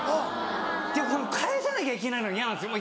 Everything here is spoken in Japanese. で返さなきゃいけないのが嫌なんですよ。